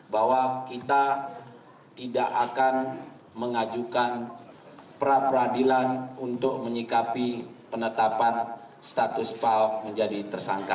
bahwa kita tidak akan mengajukan pra peradilan untuk menyikapi penetapan status pak ahok menjadi tersangka